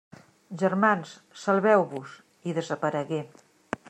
«Germans, salveu-vos!», i desaparegué.